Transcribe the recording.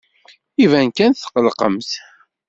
Iban kan tetqellqemt.